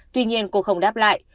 tuy nhiên cô không đáp lại